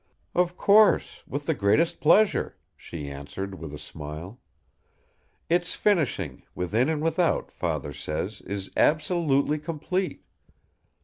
"Of course! with the greatest pleasure!" she answered, with a smile. "Its finishing, within and without, Father says, is absolutely complete."